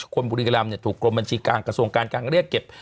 คนบุริกรรมถูกกลมบัญชีการกระทรวงการการเรียดเก็บ